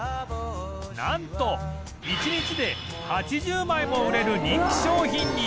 なんと１日で８０枚も売れる人気商品に